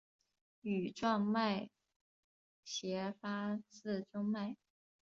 羽状脉斜发自中脉。